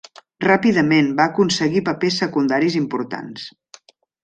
Ràpidament va aconseguir papers secundaris importants.